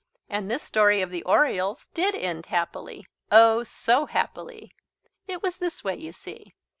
And this story of the Orioles did end happily oh, so happily! It was this way, you see.